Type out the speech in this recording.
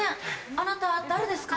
あなた誰ですか？